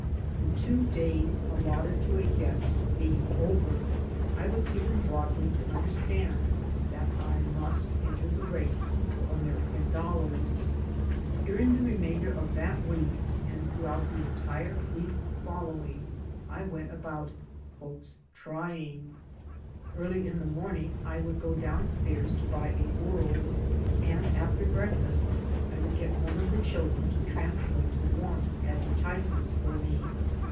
The two days allotted to a guest being over, I was given broadly to understand that I must enter the race for American dollars. During the remainder of that week and throughout the entire week following I went about trying." Early in the morning I would go down stairs to buy a Worlds and after breakfast I would get one of the children to translate the want advertise ments for me.